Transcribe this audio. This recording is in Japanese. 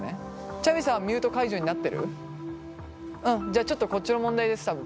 じゃあちょっとこっちの問題です多分。